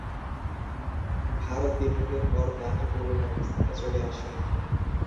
ভারত বিভাগের পর দানী পূর্ব পাকিস্তানে চলে আসেন।